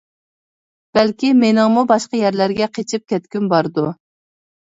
بەلكى مېنىڭمۇ باشقا يەرلەرگە قېچىپ كەتكۈم باردۇ.